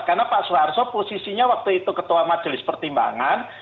karena pak suharto posisinya waktu itu ketua majelis pertimbangan